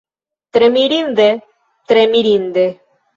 Tre mirinde, tre mirinde!